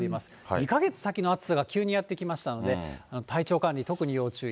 ２か月先の暑さが急にやって来ましたので、体調管理、特に要注意。